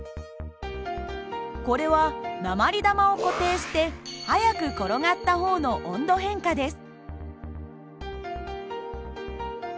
これは鉛玉を固定して速く転がった方の温度変化です。